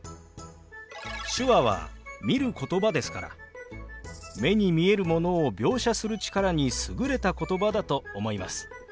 手話は見ることばですから目に見えるものを描写する力に優れた言葉だと思います。